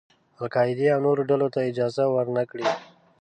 القاعدې او نورو ډلو ته اجازه ور نه کړي.